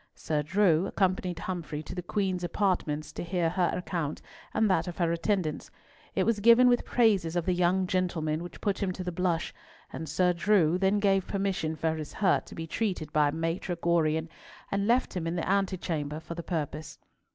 Sir Drew accompanied Humfrey to the Queen's apartments to hear her account and that of her attendants. It was given with praises of the young gentleman which put him to the blush, and Sir Drew then gave permission for his hurt to be treated by Maitre Gorion, and left him in the antechamber for the purpose.